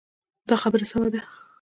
دا خبره سمه ده.